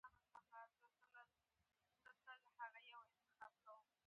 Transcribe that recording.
تعلیم نجونو ته د جغرافیې پوهه ورکوي.